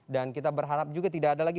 dan kita berharap juga tidak ada lagi